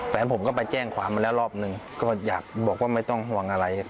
แฟนผมก็ไปแจ้งความมาแล้วรอบหนึ่งก็อยากบอกว่าไม่ต้องห่วงอะไร